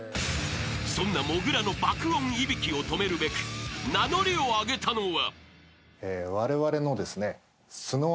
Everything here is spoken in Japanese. ［そんなもぐらの爆音いびきを止めるべく名乗りを上げたのは］